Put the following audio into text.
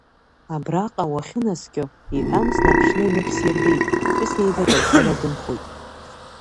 Абраҟа уахьынаскьо, – иҳәан, снарԥшны ҩнык сирбеит, ԥҳәысеибак лхала дынхоит.